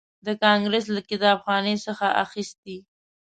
د کانګریس له کتابخانې څخه اخیستی.